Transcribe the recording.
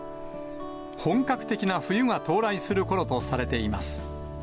本格的な冬が到来するものとされています。